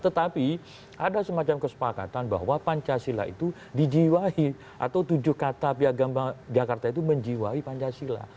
tetapi ada semacam kesepakatan bahwa pancasila itu dijiwahi atau tujuh kata piagam jakarta itu menjiwai pancasila